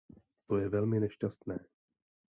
To je velmi nešťastné.